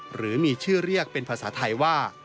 หรือมีชื่อเรียกเป็นภาษาไทยว่า